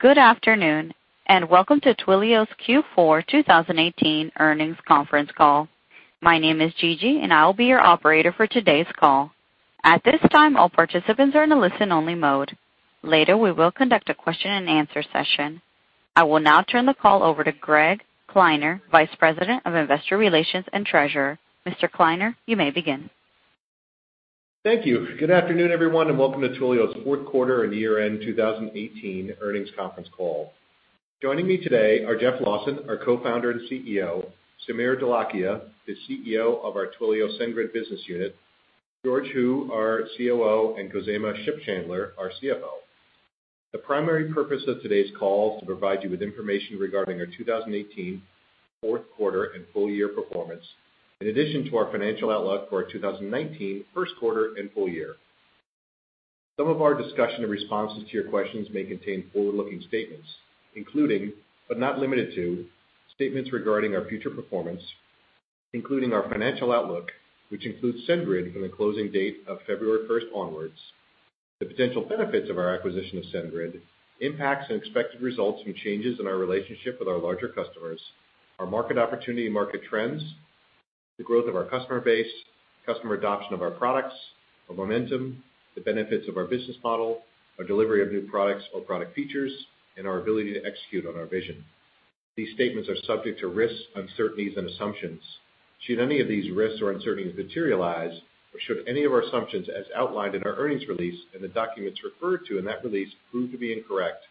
Good afternoon, and welcome to Twilio's Q4 2018 earnings conference call. My name is Gigi and I will be your operator for today's call. At this time, all participants are in a listen only mode. Later, we will conduct a question and answer session. I will now turn the call over to Greg Kleiner, Vice President of Investor Relations and Treasurer. Mr. Kleiner, you may begin. Thank you. Good afternoon, everyone, welcome to Twilio's Q4 and year-end 2018 earnings conference call. Joining me today are Jeff Lawson, our Co-founder and CEO, Sameer Dholakia, the CEO of our Twilio SendGrid business unit, George Hu, our COO, and Khozema Shipchandler, our CFO. The primary purpose of today's call is to provide you with information regarding our 2018 Q4 and full year performance, in addition to our financial outlook for our 2019 Q1 and full year. Some of our discussion and responses to your questions may contain forward-looking statements, including, but not limited to, statements regarding our future performance, including our financial outlook, which includes SendGrid from the closing date of February 1st onwards, the potential benefits of our acquisition of SendGrid, impacts and expected results from changes in our relationship with our larger customers, our market opportunity and market trends, the growth of our customer base, customer adoption of our products, our momentum, the benefits of our business model, our delivery of new products or product features, and our ability to execute on our vision. These statements are subject to risks, uncertainties, and assumptions. Should any of these risks or uncertainties materialize, should any of our assumptions as outlined in our earnings release and the documents referred to in that release prove to be incorrect,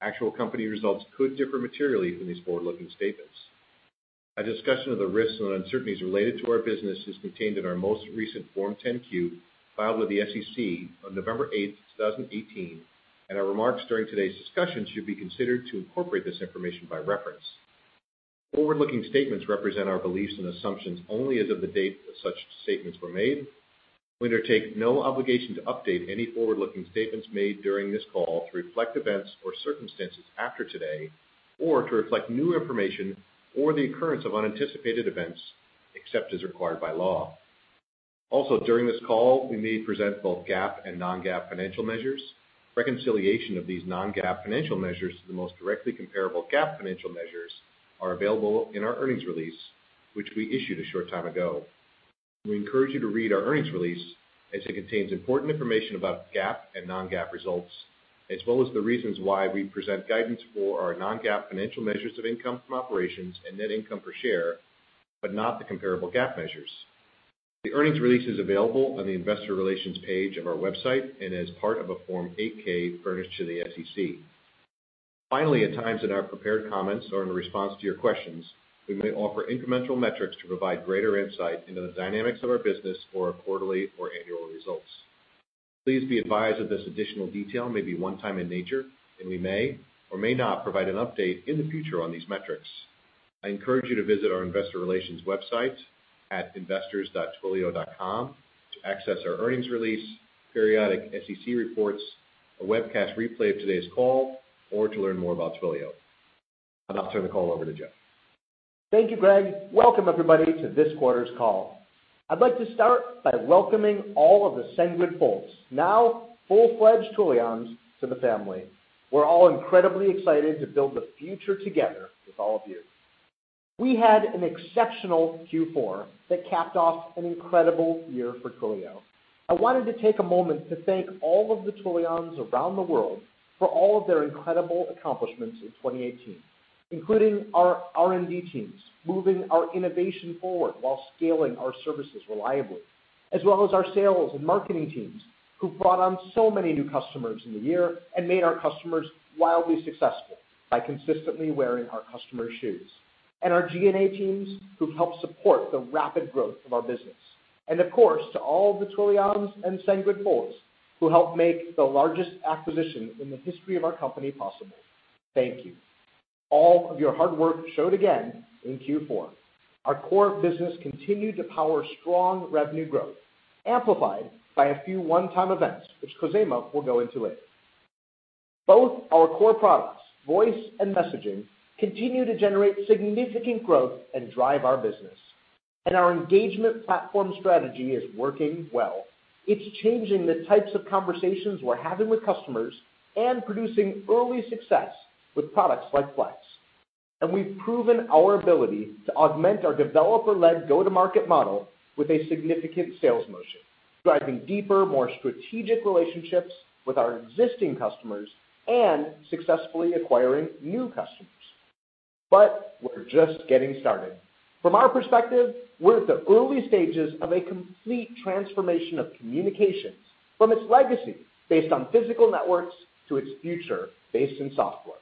actual company results could differ materially from these forward-looking statements. A discussion of the risks and uncertainties related to our business is contained in our most recent Form 10-Q filed with the SEC on November 8th, 2018, our remarks during today's discussion should be considered to incorporate this information by reference. Forward-looking statements represent our beliefs and assumptions only as of the date that such statements were made. We undertake no obligation to update any forward-looking statements made during this call to reflect events or circumstances after today, or to reflect new information or the occurrence of unanticipated events, except as required by law. Also, during this call, we may present both GAAP and non-GAAP financial measures. Reconciliation of these non-GAAP financial measures to the most directly comparable GAAP financial measures are available in our earnings release, which we issued a short time ago. We encourage you to read our earnings release, as it contains important information about GAAP and non-GAAP results, as well as the reasons why we present guidance for our non-GAAP financial measures of income from operations and net income per share, but not the comparable GAAP measures. The earnings release is available on the investor relations page of our website and as part of a Form 8-K furnished to the SEC. Finally, at times in our prepared comments or in response to your questions, we may offer incremental metrics to provide greater insight into the dynamics of our business or our quarterly or annual results. Please be advised that this additional detail may be one-time in nature, and we may or may not provide an update in the future on these metrics. I encourage you to visit our investor relations website at investors.twilio.com to access our earnings release, periodic SEC reports, a webcast replay of today's call, or to learn more about Twilio. I'll now turn the call over to Jeff. Thank you, Greg. Welcome everybody to this quarter's call. I'd like to start by welcoming all of the SendGrid folks, now full-fledged Twilions, to the family. We're all incredibly excited to build the future together with all of you. We had an exceptional Q4 that capped off an incredible year for Twilio. I wanted to take a moment to thank all of the Twilions around the world for all of their incredible accomplishments in 2018, including our R&D teams, moving our innovation forward while scaling our services reliably, as well as our sales and marketing teams, who've brought on so many new customers in the year and made our customers wildly successful by consistently wearing our customers' shoes. Our G&A teams, who've helped support the rapid growth of our business. Of course, to all the Twilions and SendGrid folks who helped make the largest acquisition in the history of our company possible. Thank you. All of your hard work showed again in Q4. Our core business continued to power strong revenue growth, amplified by a few one-time events, which Khozema will go into later. Both our core products, voice and messaging, continue to generate significant growth and drive our business. And our engagement platform strategy is working well. It's changing the types of conversations we're having with customers and producing early success with products like Flex. We've proven our ability to augment our developer-led go-to-market model with a significant sales motion, driving deeper, more strategic relationships with our existing customers and successfully acquiring new customers. We're just getting started. From our perspective, we're at the early stages of a complete transformation of communications from its legacy based on physical networks to its future based in software.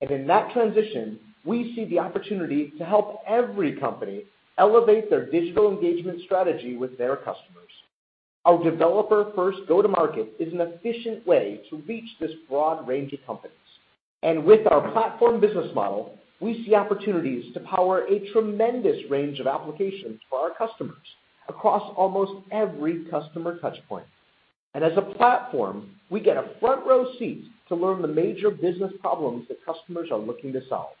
In that transition, we see the opportunity to help every company elevate their digital engagement strategy with their customers. Our developer first go-to-market is an efficient way to reach this broad range of companies. With our platform business model, we see opportunities to power a tremendous range of applications for our customers across almost every customer touch point. As a platform, we get a front row seat to learn the major business problems that customers are looking to solve.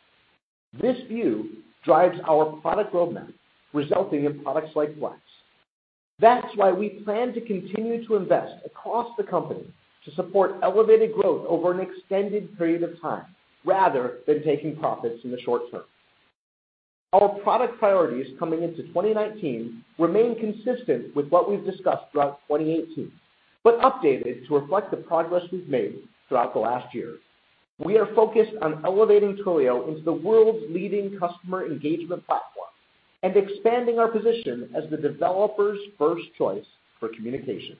This view drives our product roadmap, resulting in products like Flex. That's why we plan to continue to invest across the company to support elevated growth over an extended period of time, rather than taking profits in the short term. Our product priorities coming into 2019 remain consistent with what we've discussed throughout 2018, but updated to reflect the progress we've made throughout the last year. We are focused on elevating Twilio into the world's leading customer engagement platform and expanding our position as the developer's first choice for communication.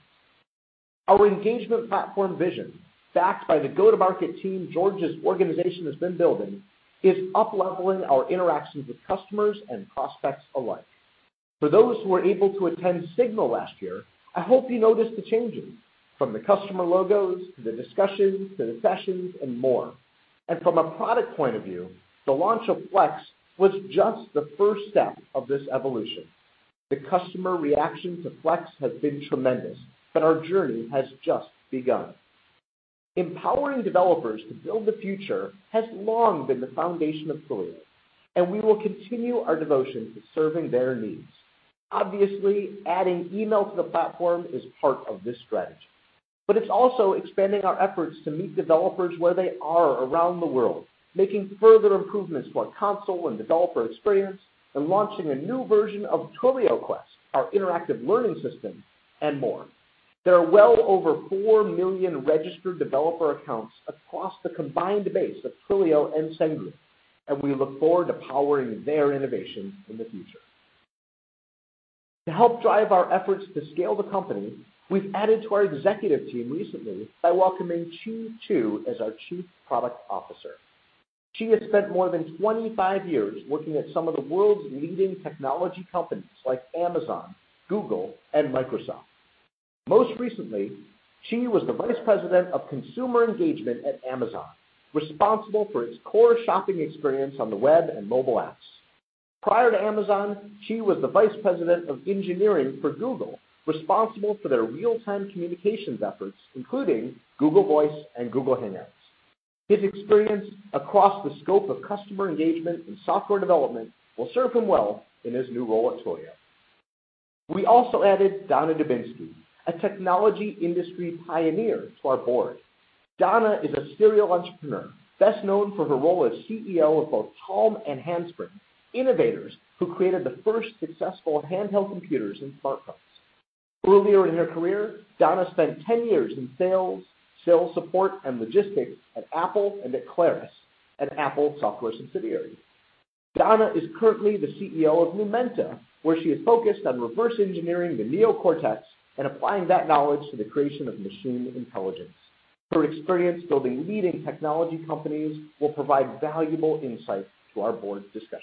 Our engagement platform vision, backed by the go-to-market team George's organization has been building, is up-leveling our interactions with customers and prospects alike. For those who were able to attend Signal last year, I hope you noticed the changes, from the customer logos to the discussions, to the sessions, and more. From a product point of view, the launch of Flex was just the first step of this evolution. The customer reaction to Flex has been tremendous, our journey has just begun. Empowering developers to build the future has long been the foundation of Twilio. And we will continue our devotion to serving their needs. Obviously, adding email to the platform is part of this strategy, it's also expanding our efforts to meet developers where they are around the world, making further improvements to our console and developer experience, and launching a new version of TwilioQuest, our interactive learning system, and more. There are well over 4 million registered developer accounts across the combined base of Twilio and SendGrid. We look forward to powering their innovation in the future. To help drive our efforts to scale the company, we've added to our executive team recently by welcoming Chee Chew as our Chief Product Officer. Chee has spent more than 25 years working at some of the world's leading technology companies like Amazon, Google, and Microsoft. Most recently, Chee was the Vice President of Consumer Engagement at Amazon, responsible for its core shopping experience on the web and mobile apps. Prior to Amazon, Chee was the Vice President of Engineering for Google, responsible for their real-time communications efforts, including Google Voice and Google Hangouts. His experience across the scope of customer engagement and software development will serve him well in his new role at Twilio. We also added Donna Dubinsky, a technology industry pioneer, to our board. Donna is a serial entrepreneur, best known for her role as CEO of both Palm and Handspring, innovators who created the first successful handheld computers and smartphones. Earlier in her career, Donna spent 10 years in sales support, and logistics at Apple and at Claris, an Apple software subsidiary. Donna is currently the CEO of Numenta, where she is focused on reverse engineering the neocortex and applying that knowledge to the creation of machine intelligence. Her experience building leading technology companies will provide valuable insight to our board's discussions.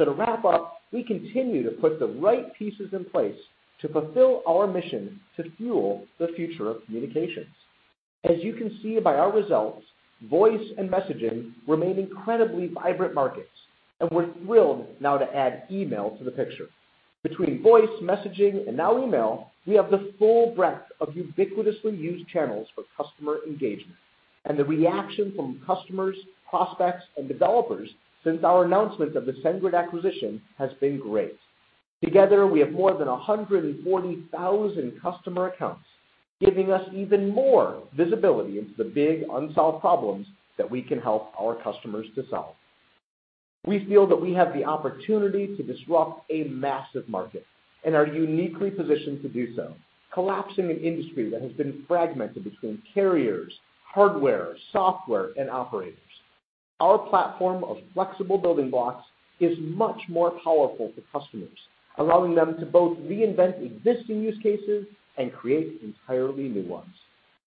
To wrap up, we continue to put the right pieces in place to fulfill our mission to fuel the future of communications. As you can see by our results, voice and messaging remain incredibly vibrant markets, and we're thrilled now to add email to the picture. Between voice, messaging, and now email, we have the full breadth of ubiquitously used channels for customer engagement, and the reaction from customers, prospects, and developers since our announcement of the SendGrid acquisition has been great. Together, we have more than 140,000 customer accounts, giving us even more visibility into the big unsolved problems that we can help our customers to solve. We feel that we have the opportunity to disrupt a massive market and are uniquely positioned to do so, collapsing an industry that has been fragmented between carriers, hardware, software, and operators. Our platform of flexible building blocks is much more powerful for customers, allowing them to both reinvent existing use cases and create entirely new ones.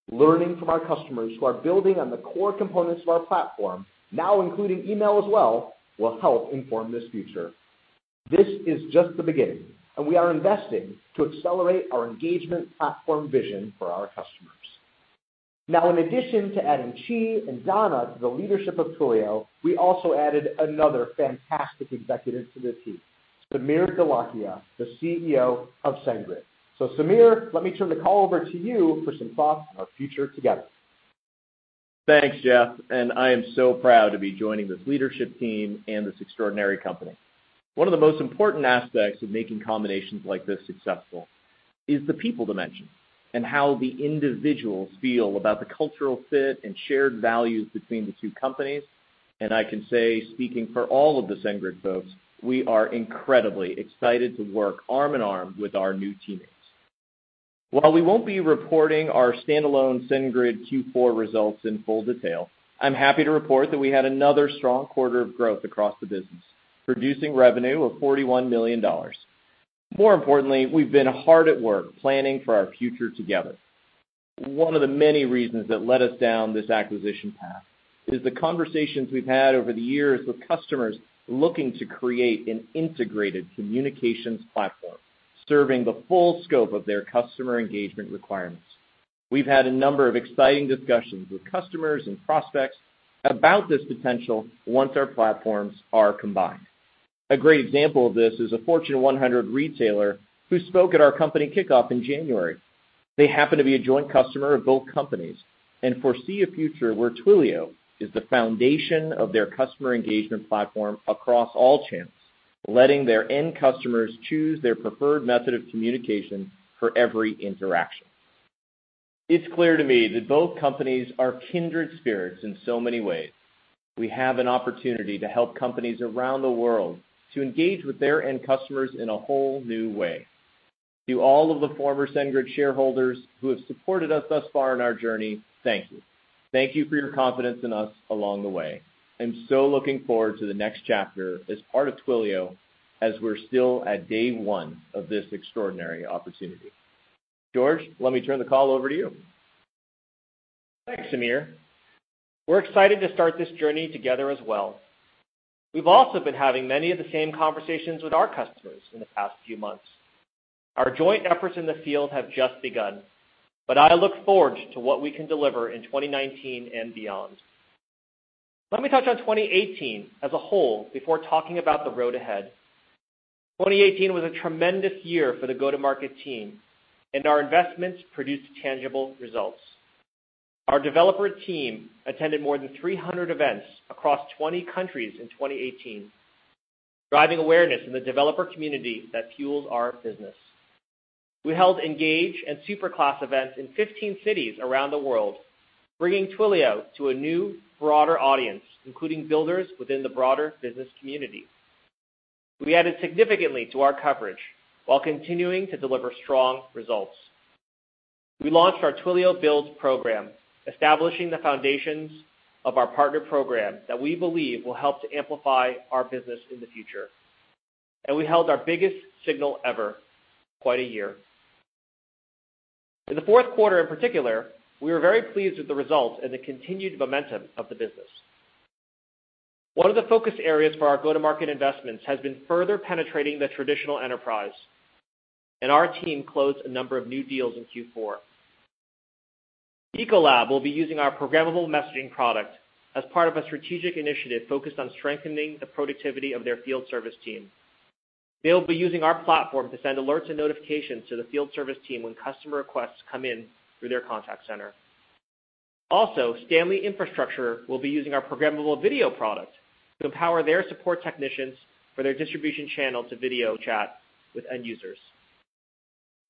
Learning from our customers who are building on the core components of our platform, now including email as well, will help inform this future. This is just the beginning, and we are investing to accelerate our engagement platform vision for our customers. Now, in addition to adding Chee and Donna to the leadership of Twilio, we also added another fantastic executive to the team, Sameer Dholakia, the CEO of SendGrid. Sameer, let me turn the call over to you for some thoughts on our future together. Thanks, Jeff, I am so proud to be joining this leadership team and this extraordinary company. One of the most important aspects of making combinations like this successful is the people dimension and how the individuals feel about the cultural fit and shared values between the two companies. I can say, speaking for all of the SendGrid folks, we are incredibly excited to work arm in arm with our new teammates. While we won't be reporting our standalone SendGrid Q4 results in full detail, I'm happy to report that we had another strong quarter of growth across the business, producing revenue of $41 million. More importantly, we've been hard at work planning for our future together. One of the many reasons that led us down this acquisition path is the conversations we've had over the years with customers looking to create an integrated communications platform, serving the full scope of their customer engagement requirements. We've had a number of exciting discussions with customers and prospects about this potential once our platforms are combined. A great example of this is a Fortune 100 retailer who spoke at our company kickoff in January. They happen to be a joint customer of both companies and foresee a future where Twilio is the foundation of their customer engagement platform across all channels, letting their end customers choose their preferred method of communication for every interaction. It's clear to me that both companies are kindred spirits in so many ways. We have an opportunity to help companies around the world to engage with their end customers in a whole new way. To all of the former SendGrid shareholders who have supported us thus far in our journey, thank you. Thank you for your confidence in us along the way. I'm so looking forward to the next chapter as part of Twilio, as we're still at day one of this extraordinary opportunity. George, let me turn the call over to you. Thanks, Sameer. We're excited to start this journey together as well. We've also been having many of the same conversations with our customers in the past few months. Our joint efforts in the field have just begun, but I look forward to what we can deliver in 2019 and beyond. Let me touch on 2018 as a whole before talking about the road ahead. 2018 was a tremendous year for the go-to-market team, our investments produced tangible results. Our developer team attended more than 300 events across 20 countries in 2018, driving awareness in the developer community that fuels our business. We held Engage and Superclass events in 15 cities around the world, bringing Twilio to a new, broader audience, including builders within the broader business community. We added significantly to our coverage while continuing to deliver strong results. We launched our Twilio Build program, establishing the foundations of our partner program that we believe will help to amplify our business in the future. We held our biggest Signal ever. Quite a year. In the Q4 in particular, we were very pleased with the results and the continued momentum of the business. One of the focus areas for our go-to-market investments has been further penetrating the traditional enterprise, our team closed a number of new deals in Q4. Ecolab will be using our programmable messaging product as part of a strategic initiative focused on strengthening the productivity of their field service team. They will be using our platform to send alerts and notifications to the field service team when customer requests come in through their contact center. Stanley Infrastructure will be using our programmable video product to empower their support technicians for their distribution channel to video chat with end users.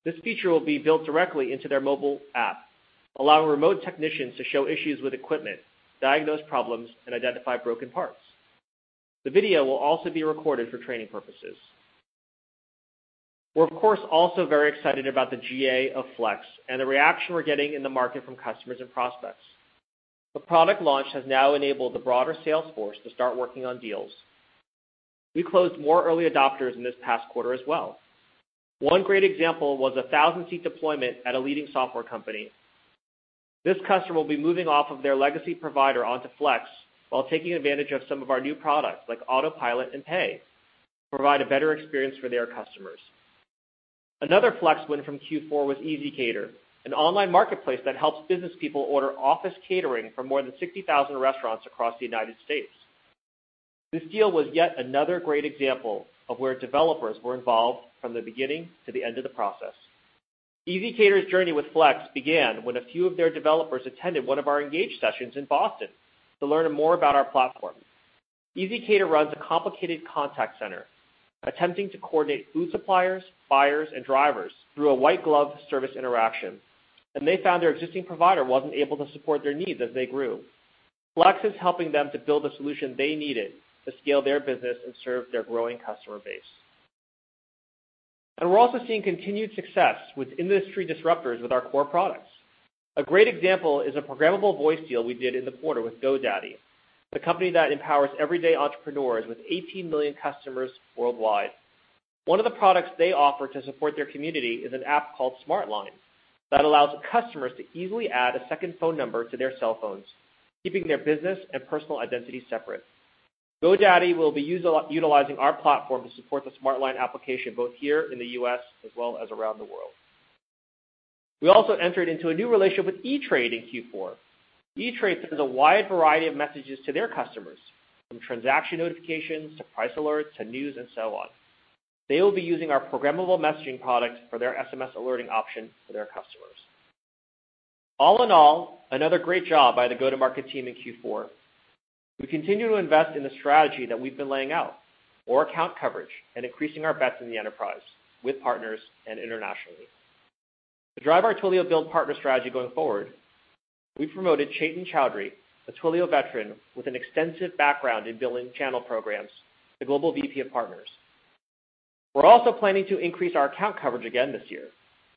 This feature will be built directly into their mobile app, allowing remote technicians to show issues with equipment, diagnose problems, and identify broken parts. The video will also be recorded for training purposes. We're of course, also very excited about the GA of Twilio Flex and the reaction we're getting in the market from customers and prospects. The product launch has now enabled the broader sales force to start working on deals. We closed more early adopters in this past quarter as well. One great example was a 1,000-seat deployment at a leading software company. This customer will be moving off of their legacy provider onto Flex while taking advantage of some of our new products like Autopilot and Pay to provide a better experience for their customers. Another Flex win from Q4 was ezCater, an online marketplace that helps business people order office catering from more than 60,000 restaurants across the United States. This deal was yet another great example of where developers were involved from the beginning to the end of the process. ezCater's journey with Flex began when a few of their developers attended one of our Engage sessions in Boston to learn more about our platform. ezCater runs a complicated contact center, attempting to coordinate food suppliers, buyers, and drivers through a white glove service interaction, and they found their existing provider wasn't able to support their needs as they grew. We're also seeing continued success with industry disruptors with our core products. A great example is a programmable voice deal we did in the quarter with GoDaddy, the company that empowers everyday entrepreneurs with 18 million customers worldwide. One of the products they offer to support their community is an app called SmartLine that allows customers to easily add a second phone number to their cell phones, keeping their business and personal identities separate. GoDaddy will be utilizing our platform to support the SmartLine application both here in the U.S. as well as around the world. We also entered into a new relationship with E*TRADE in Q4. E*TRADE sends a wide variety of messages to their customers, from transaction notifications to price alerts to news and so on. They will be using our programmable messaging product for their SMS alerting option for their customers. All in all, another great job by the go-to-market team in Q4. We continue to invest in the strategy that we've been laying out, more account coverage and increasing our bets in the enterprise with partners and internationally. To drive our Twilio Build partner strategy going forward, we've promoted Chetan Chaudhary, a Twilio veteran with an extensive background in building channel programs, to Global VP of Partners. We're also planning to increase our account coverage again this year,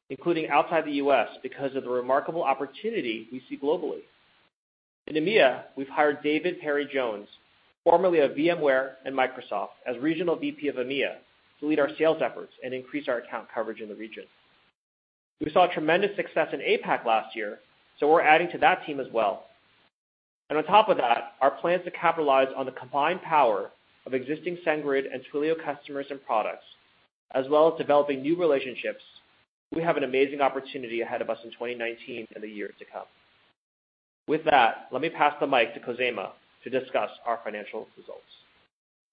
including outside the U.S., because of the remarkable opportunity we see globally. In EMEA, we've hired David Parry-Jones, formerly of VMware and Microsoft, as Regional VP of EMEA to lead our sales efforts and increase our account coverage in the region. We saw tremendous success in APAC last year, we're adding to that team as well. On top of that, our plans to capitalize on the combined power of existing SendGrid and Twilio customers and products, as well as developing new relationships, we have an amazing opportunity ahead of us in 2019 and the years to come. With that, let me pass the mic to Khozema to discuss our financial results.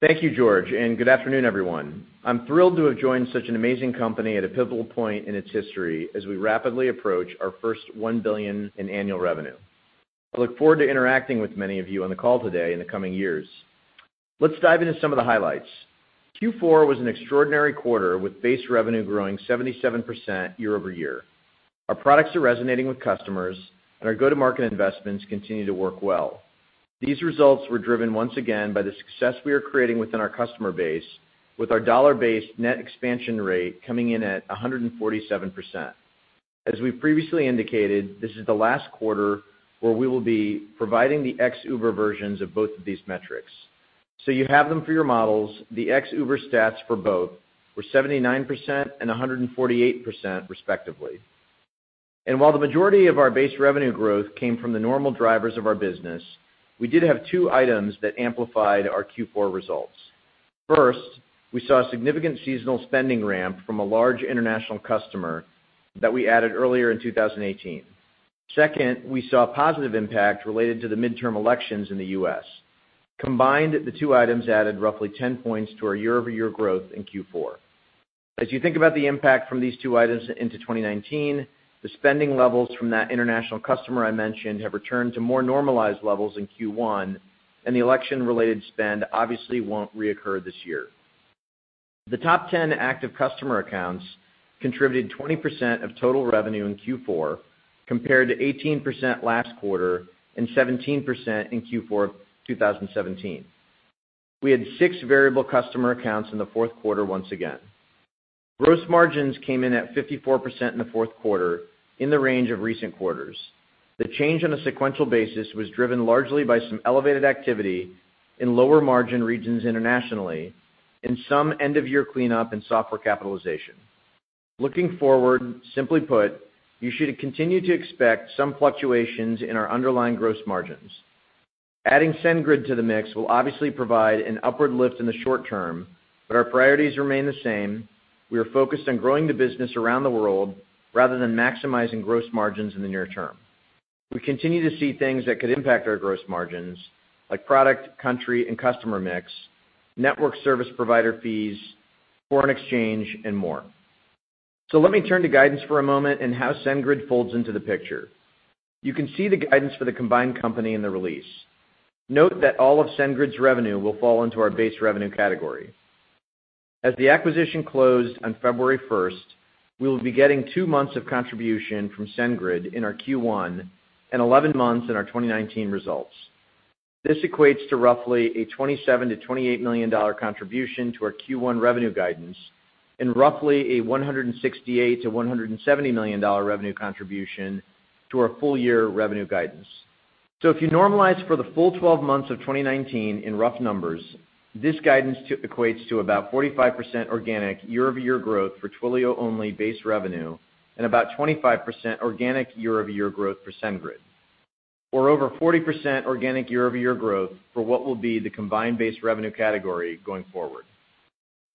Thank you, George. Good afternoon, everyone. I'm thrilled to have joined such an amazing company at a pivotal point in its history as we rapidly approach our first $1 billion in annual revenue. I look forward to interacting with many of you on the call today in the coming years. Let's dive into some of the highlights. Q4 was an extraordinary quarter, with base revenue growing 77% year-over-year. Our products are resonating with customers, and our go-to-market investments continue to work well. These results were driven once again by the success we are creating within our customer base, with our dollar-based net expansion rate coming in at 147%. As we've previously indicated, this is the last quarter where we will be providing the ex-Uber versions of both of these metrics. So you have them for your models, the ex-Uber stats for both were 79% and 148% respectively. While the majority of our base revenue growth came from the normal drivers of our business, we did have two items that amplified our Q4 results. First, we saw significant seasonal spending ramp from a large international customer that we added earlier in 2018. Second, we saw a positive impact related to the midterm elections in the U.S. Combined, the two items added roughly 10 points to our year-over-year growth in Q4. As you think about the impact from these two items into 2019, the spending levels from that international customer I mentioned have returned to more normalized levels in Q1, and the election-related spend obviously won't reoccur this year. The top 10 active customer accounts contributed 20% of total revenue in Q4, compared to 18% last quarter and 17% in Q4 of 2017. We had six variable customer accounts in the Q4 once again. Gross margins came in at 54% in the Q4, in the range of recent quarters. The change on a sequential basis was driven largely by some elevated activity in lower-margin regions internationally and some end-of-year cleanup and software capitalization. Looking forward, simply put, you should continue to expect some fluctuations in our underlying gross margins. Adding SendGrid to the mix will obviously provide an upward lift in the short term, but our priorities remain the same. We are focused on growing the business around the world rather than maximizing gross margins in the near term. We continue to see things that could impact our gross margins, like product, country, and customer mix, network service provider fees, foreign exchange, and more. Let me turn to guidance for a moment and how SendGrid folds into the picture. You can see the guidance for the combined company in the release. Note that all of SendGrid's revenue will fall into our base revenue category. As the acquisition closed on February 1st, we will be getting two months of contribution from SendGrid in our Q1 and 11 months in our 2019 results. This equates to roughly a $27 million to $28 million contribution to our Q1 revenue guidance and roughly a $168 million to $170 million revenue contribution to our full year revenue guidance. If you normalize for the full 12 months of 2019 in rough numbers, this guidance equates to about 45% organic year-over-year growth for Twilio-only base revenue and about 25% organic year-over-year growth for SendGrid, or over 40% organic year-over-year growth for what will be the combined base revenue category going forward.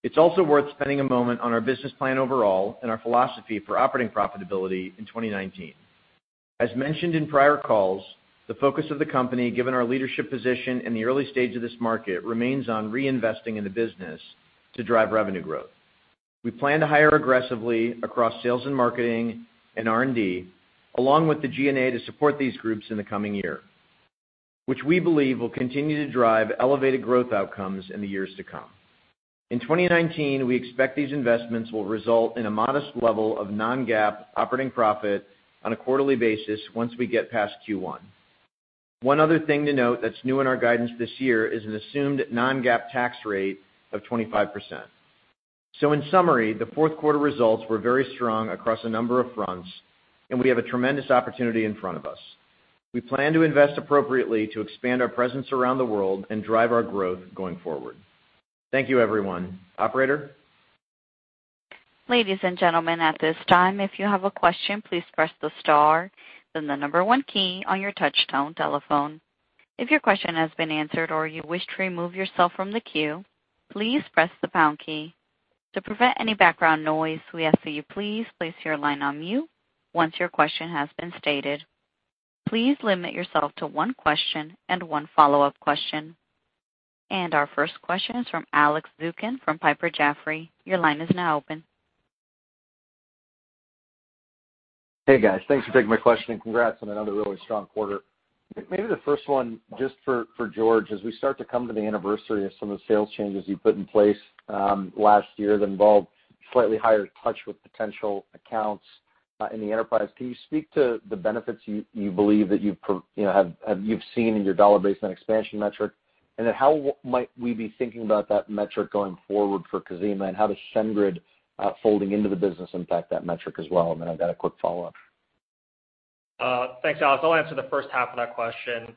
It's also worth spending a moment on our business plan overall and our philosophy for operating profitability in 2019. As mentioned in prior calls, the focus of the company, given our leadership position in the early stage of this market, remains on reinvesting in the business to drive revenue growth. We plan to hire aggressively across sales and marketing and R&D, along with the G&A to support these groups in the coming year, which we believe will continue to drive elevated growth outcomes in the years to come. In 2019, we expect these investments will result in a modest level of non-GAAP operating profit on a quarterly basis once we get past Q1. One other thing to note that's new in our guidance this year is an assumed non-GAAP tax rate of 25%. So in summary, the Q4 results were very strong across a number of fronts, and we have a tremendous opportunity in front of us. We plan to invest appropriately to expand our presence around the world and drive our growth going forward. Thank you, everyone. Operator? Ladies and gentlemen, at this time, if you have a question, please press the star, then the number one key on your touch tone telephone. If your question has been answered or you wish to remove yourself from the queue, please press the pound key. To prevent any background noise, we ask that you please place your line on mute once your question has been stated. Please limit yourself to one question and one follow-up question. Our first question is from Alex Zukin from Piper Jaffray. Your line is now open. Hey, guys. Thanks for taking my question, and congrats on another really strong quarter. Maybe the first one just for George, as we start to come to the anniversary of some of the sales changes you put in place last year that involved slightly higher touch with potential accounts in the enterprise, can you speak to the benefits you believe that you've seen in your dollar-based net expansion metric? How might we be thinking about that metric going forward for Khozema, and how does SendGrid folding into the business impact that metric as well? I've got a quick follow-up. Thanks, Alex. I'll answer the first half of that question.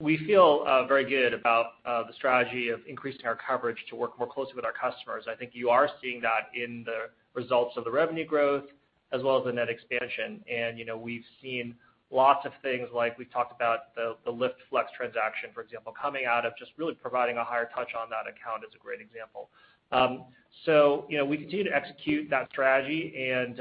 We feel very good about the strategy of increasing our coverage to work more closely with our customers. I think you are seeing that in the results of the revenue growth as well as the net expansion. We've seen lots of things, like we've talked about the Lyft Flex transaction, for example, coming out of just really providing a higher touch on that account is a great example. We continue to execute that strategy, and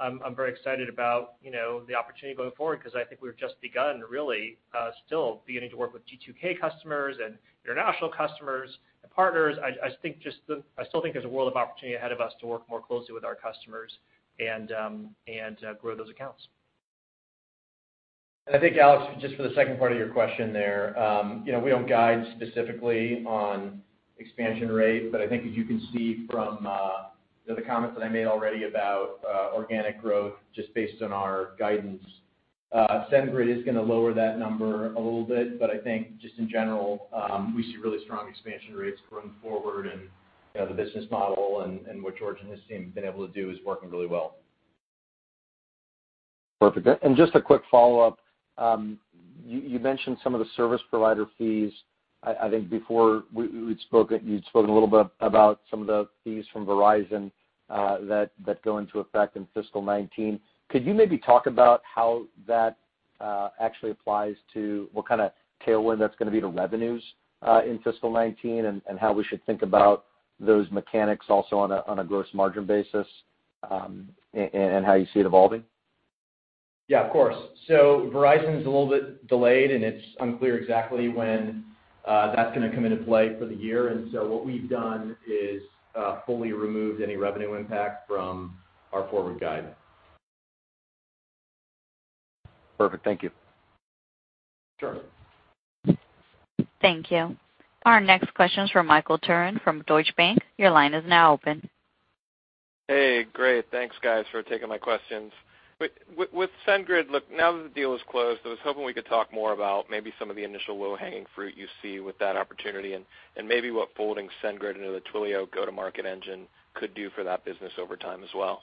I'm very excited about the opportunity going forward, because I think we've just begun really still beginning to work with G2K customers and international customers and partners. I still think there's a world of opportunity ahead of us to work more closely with our customers and grow those accounts. I think, Alex, just for the second part of your question there, we don't guide specifically on expansion rate, but I think as you can see from the comments that I made already about organic growth, just based on our guidance, SendGrid is going to lower that number a little bit. I think just in general, we see really strong expansion rates going forward, and the business model and what George and his team have been able to do is working really well. Perfect. Just a quick follow-up. You mentioned some of the service provider fees. I think before you'd spoken a little bit about some of the fees from Verizon that go into effect in fiscal 2019. Could you maybe talk about how that actually applies to what kind of tailwind that's going to be to revenues in fiscal 2019, and how we should think about those mechanics also on a gross margin basis, and how you see it evolving? Yeah, of course. Verizon's a little bit delayed, and it's unclear exactly when that's going to come into play for the year. What we've done is fully removed any revenue impact from our forward guidance. Perfect. Thank you. Sure. Thank you. Our next question is from Michael Turrin from Deutsche Bank. Your line is now open. Hey, great. Thanks, guys, for taking my questions. With SendGrid, look, now that the deal is closed, I was hoping we could talk more about maybe some of the initial low-hanging fruit you see with that opportunity and maybe what folding SendGrid into the Twilio go-to-market engine could do for that business over time as well.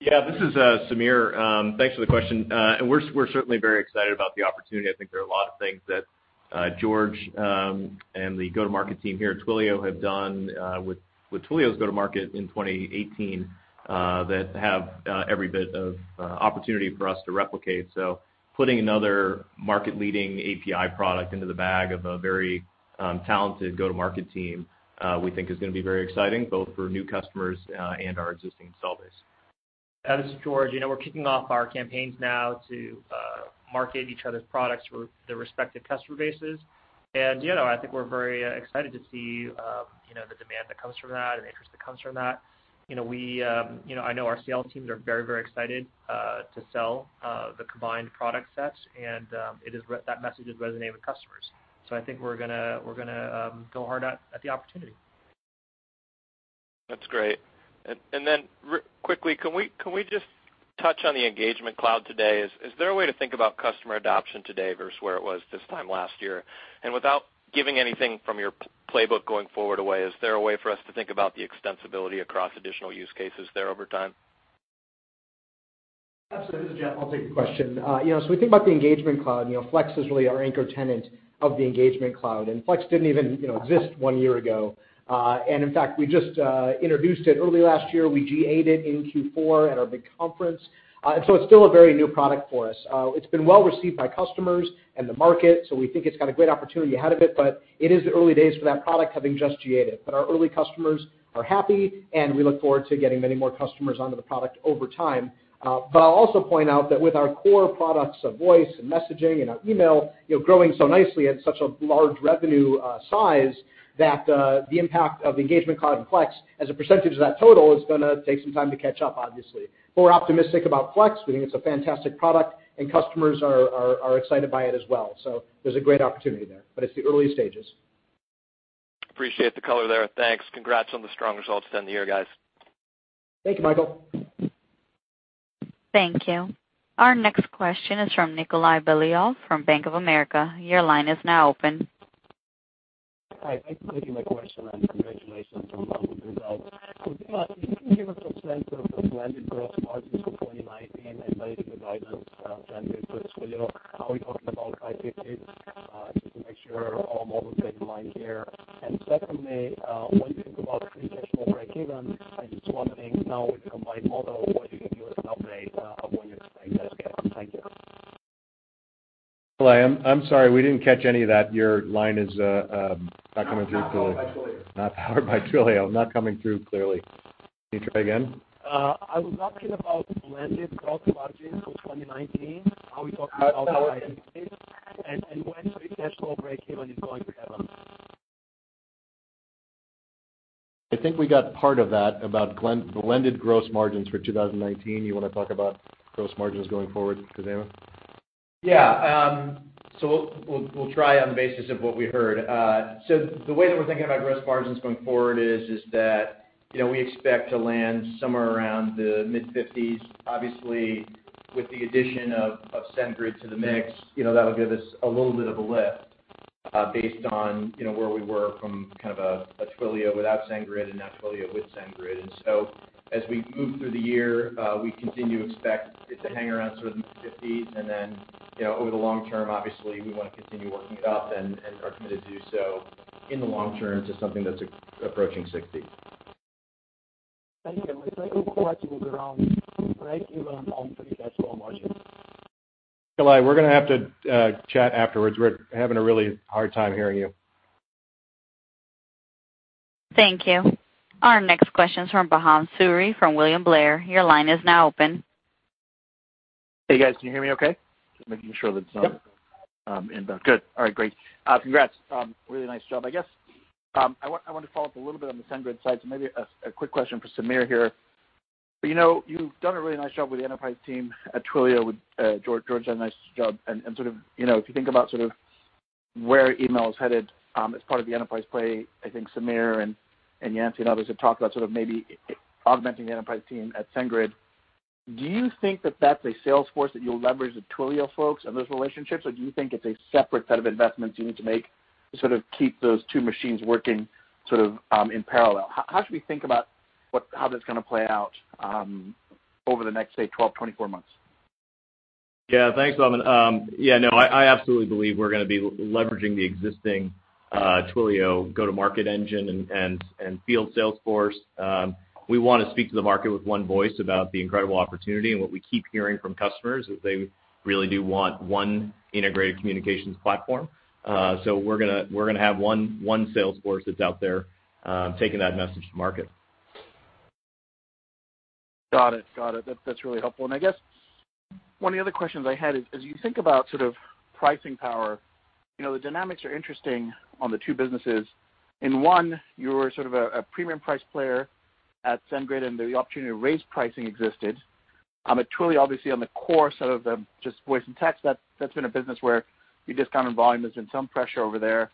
Yeah, this is Samir. Thanks for the question. We're certainly very excited about the opportunity. I think there are a lot of things that George and the go-to-market team here at Twilio have done with Twilio's go-to-market in 2018 that have every bit of opportunity for us to replicate. Putting another market-leading API product into the bag of a very talented go-to-market team we think is going to be very exciting, both for new customers and our existing install base. This is George. We're kicking off our campaigns now to market each other's products for their respective customer bases. I think we're very excited to see the demand that comes from that and interest that comes from that. I know our sales teams are very excited to sell the combined product sets, that message is resonating with customers. I think we're going to go hard at the opportunity. That's great. Then quickly, can we just touch on the Engagement Cloud today? Is there a way to think about customer adoption today versus where it was this time last year? Without giving anything from your playbook going forward away, is there a way for us to think about the extensibility across additional use cases there over time? Absolutely. This is Jeff. I'll take the question. We think about the Engagement Cloud, Flex is really our anchor tenant of the Engagement Cloud, Flex didn't even exist one year ago. In fact, we just introduced it early last year. We GA'd it in Q4 at our big conference. It's still a very new product for us. It's been well received by customers and the market, we think it's got a great opportunity ahead of it is the early days for that product, having just GA'd it. Our early customers are happy, we look forward to getting many more customers onto the product over time. I'll also point out that with our core products of voice and messaging and our email growing so nicely at such a large revenue size, that the impact of Engagement Cloud and Flex as a percentage of that total is going to take some time to catch up, obviously. We're optimistic about Flex. We think it's a fantastic product, customers are excited by it as well. There's a great opportunity there, it's the early stages. Appreciate the color there. Thanks. Congrats on the strong results to end the year, guys. Thank you, Michael. Thank you. Our next question is from Nikolay Beliov from Bank of America. Your line is now open. Hi, thanks for taking my question. Congratulations on the results. Can you give us a sense of the blended gross margins for 2019 and by the guidance SendGrid to Twilio? How are we talking about high 50s, just to make sure all models are in line here. Secondly, when you think about free cash flow breakeven and swapping now with the combined model, what can you give us an update of when you expect that to kick in? Thank you. Nikolay, I'm sorry, we didn't catch any of that. Your line is not coming through clearly. Not powered by Twilio. Not powered by Twilio. Not coming through clearly. Can you try again? I was talking about blended gross margins for 2019. How are we talking about high 50s, and when free cash flow breakeven is going to happen? I think we got part of that, about blended gross margins for 2019. You want to talk about gross margins going forward, Khozema? Yeah. We'll try on the basis of what we heard. The way that we're thinking about gross margins going forward is that we expect to land somewhere around the mid-50s, obviously, with the addition of SendGrid to the mix. That'll give us a little bit of a lift based on where we were from kind of a Twilio without SendGrid and now Twilio with SendGrid. As we move through the year, we continue to expect it to hang around the 50s, and then over the long term, obviously, we want to continue working it up and are committed to do so in the long term to something that's approaching 60. Were gonna have to chat afterwards. Nikolay, we're going to have to chat afterwards. We're having a really hard time hearing you. Thank you. Our next question is from Bhavan Suri from William Blair. Your line is now open. Hey, guys. Can you hear me okay? Just making sure that it's not- Yep inbound. Good. All right, great. Congrats. Really nice job. I guess, I want to follow up a little bit on the SendGrid side, so maybe a quick question for Sameer here. You've done a really nice job with the enterprise team at Twilio, George done a nice job. If you think about where email is headed as part of the enterprise play, I think Sameer and Yancey and others have talked about maybe augmenting the enterprise team at SendGrid. Do you think that that's a sales force that you'll leverage the Twilio folks and those relationships, or do you think it's a separate set of investments you need to make to keep those two machines working in parallel? How should we think about how that's going to play out over the next, say, 12, 24 months? Yeah. Thanks, Bhavan. I absolutely believe we're going to be leveraging the existing Twilio go-to-market engine and field sales force. We want to speak to the market with one voice about the incredible opportunity and what we keep hearing from customers, that they really do want one integrated communications platform. We're going to have one sales force that's out there taking that message to market. Got it. That's really helpful. I guess one of the other questions I had is, as you think about pricing power, the dynamics are interesting on the two businesses. In one, you're a premium price player at SendGrid. The opportunity to raise pricing existed. At Twilio, obviously, on the core voice and text, that's been a business where you discounted volume. There's been some pressure over there.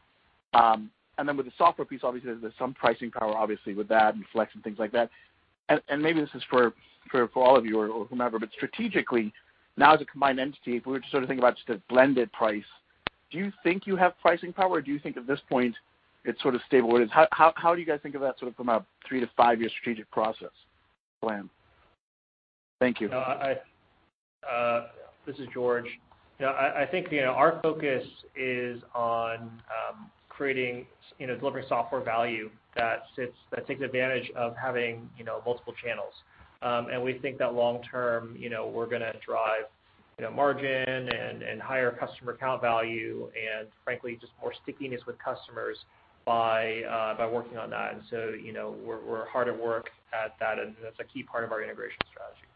With the software piece, obviously, there's some pricing power obviously with that and Flex and things like that. Maybe this is for all of you or whomever, strategically now as a combined entity, if we were to think about just a blended price, do you think you have pricing power, or do you think at this point it's stable where it is? How do you guys think of that from a three to five-year strategic process plan? Thank you. This is George. I think our focus is on delivering software value that takes advantage of having multiple channels. We think that long term we're going to drive margin and higher customer count value and frankly, just more stickiness with customers by working on that. We're hard at work at that, and that's a key part of our integration strategy.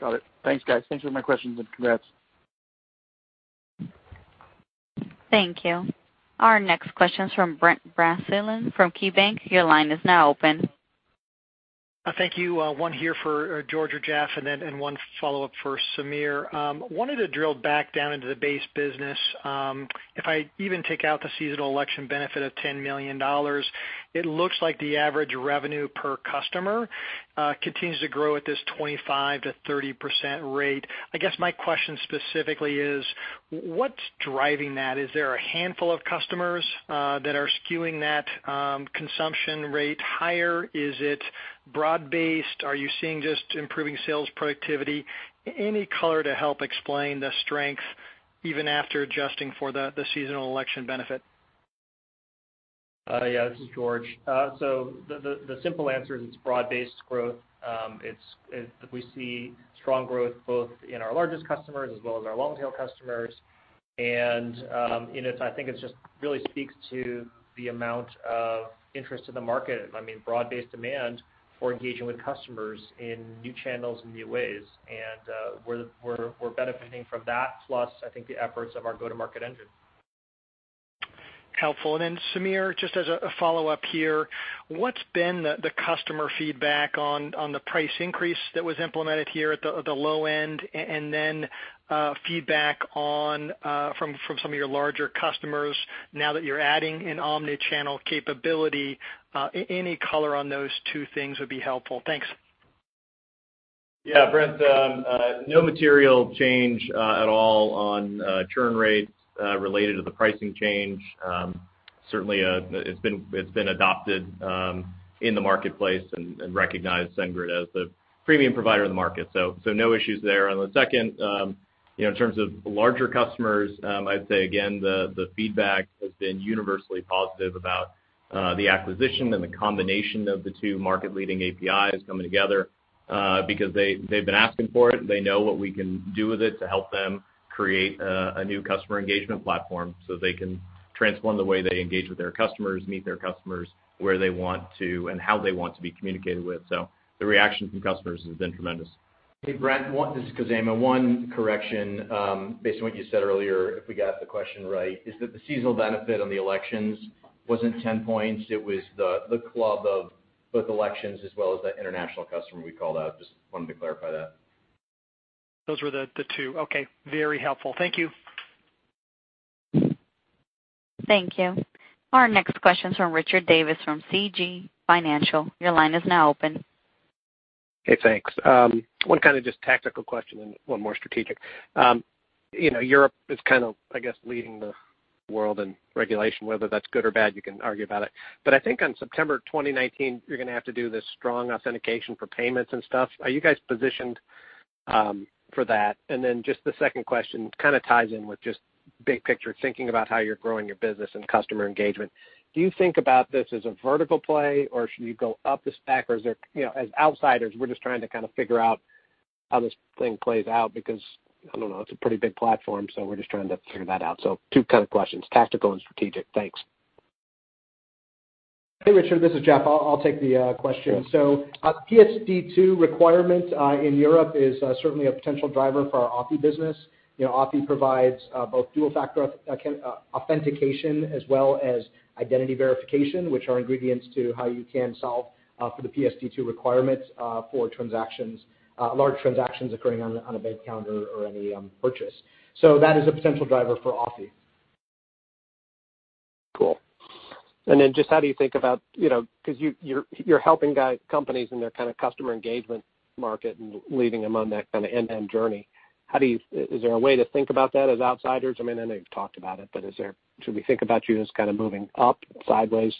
Got it. Thanks, guys. Thanks for my questions and congrats. Thank you. Our next question is from Brent Bracelin from KeyBanc. Your line is now open. Thank you. One here for George or Jeff, and one follow-up for Sameer. Wanted to drill back down into the base business. If I even take out the seasonal election benefit of $10 million, it looks like the average revenue per customer continues to grow at this 25% to 30% rate. I guess my question specifically is what's driving that? Is there a handful of customers that are skewing that consumption rate higher? Is it broad-based? Are you seeing just improving sales productivity? Any color to help explain the strength even after adjusting for the seasonal election benefit? Yeah. This is George. The simple answer is it's broad-based growth. We see strong growth both in our largest customers as well as our long-tail customers, and I think it just really speaks to the amount of interest in the market. Broad-based demand for engaging with customers in new channels and new ways. We're benefiting from that, plus, I think the efforts of our go-to-market engine. Helpful. Sameer, just as a follow-up here, what's been the customer feedback on the price increase that was implemented here at the low end and then feedback from some of your larger customers now that you're adding an omni-channel capability? Any color on those two things would be helpful. Thanks. Yeah, Brent, no material change at all on churn rates related to the pricing change. Certainly, it's been adopted in the marketplace and recognized SendGrid as the premium provider in the market. No issues there. On the second, in terms of larger customers, I'd say again, the feedback has been universally positive about the acquisition and the combination of the two market-leading APIs coming together because they've been asking for it. They know what we can do with it to help them create a new customer engagement platform so they can transform the way they engage with their customers, meet their customers where they want to and how they want to be communicated with. The reaction from customers has been tremendous. Hey, Brent, this is Khozema. One correction based on what you said earlier, if we got the question right, is that the seasonal benefit on the elections wasn't 10 points. It was the club of both elections as well as the international customer we called out. Just wanted to clarify that. Those were the two. Okay. Very helpful. Thank you. Thank you. Our next question is from Richard Davis from Canaccord Genuity. Your line is now open. Hey, thanks. One kind of just tactical question and one more strategic. Europe is kind of, I guess, leading the world in regulation, whether that's good or bad, you can argue about it. I think on September 2019, you're going to have to do this strong authentication for payments and stuff. Are you guys positioned for that? Then just the second question kind of ties in with just big picture, thinking about how you're growing your business and customer engagement. Do you think about this as a vertical play or should you go up the stack? As outsiders, we're just trying to kind of figure out how this thing plays out because, I don't know, it's a pretty big platform, we're just trying to figure that out. Two kind of questions, tactical and strategic. Thanks. Hey, Richard. This is Jeff. I'll take the question. Sure. PSD2 requirement in Europe is certainly a potential driver for our Authy business. Authy provides both dual-factor authentication as well as identity verification, which are ingredients to how you can solve for the PSD2 requirements for large transactions occurring on a bank account or any purchase. That is a potential driver for Authy. Cool. Then just how do you think about, because you're helping companies in their kind of customer engagement market and leading them on that kind of end-to-end journey. Is there a way to think about that as outsiders? I know you've talked about it, but should we think about you as kind of moving up, sideways?